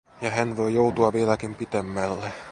Ja hän voi joutua vieläkin pitemmälle.